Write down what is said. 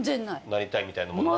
なりたいみたいのも。